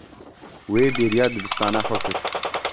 Wê bêriya dibistana xwe kir.